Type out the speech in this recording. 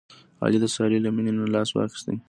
علي د سارې له مینې نه لاس واخیست.